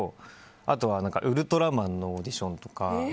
あとは「ウルトラマン」のオーディションとか。